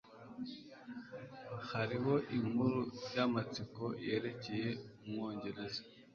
Hariho inkuru yamatsiko yerekeye Umwongereza.